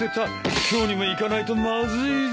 今日にも行かないとまずいぞ！